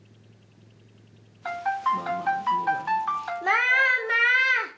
ママ！